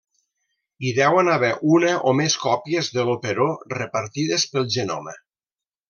Hi deuen haver una o més còpies de l'operó repartides pel genoma.